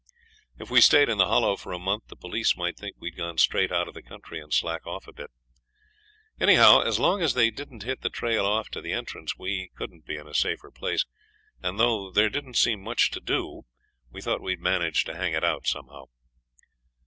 If we stayed in the Hollow for a month the police might think we'd gone straight out of the country and slack off a bit. Anyhow, as long as they didn't hit the trail off to the entrance, we couldn't be in a safer place, and though there didn't seem much to do we thought we'd manage to hang it out somehow.